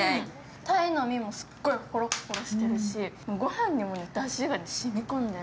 たいの身もすっごいほろっほろしてるし、ご飯にもだしが染み込んでる。